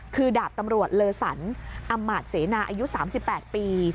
คือดาบตำรวจเลอสันอำมาตเสนาอายุ๓๘ปี